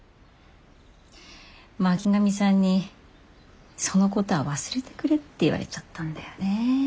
巻上さんにそのことは忘れてくれって言われちゃったんだよね。